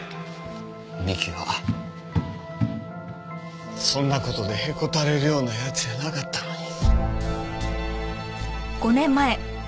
美樹はそんな事でへこたれるような奴やなかったのに。